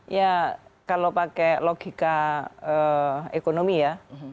ya kalau pakai logika ekonomi ya